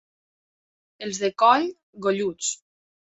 Els de Cóll, golluts.